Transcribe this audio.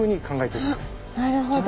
なるほど。